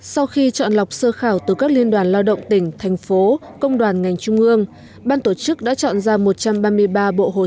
sau khi chọn lọc sơ khảo từ các liên đoàn lao động tỉnh thành phố công đoàn ngành trung ương ban tổ chức đã chọn ra một trăm ba mươi ba bộ hồ sơ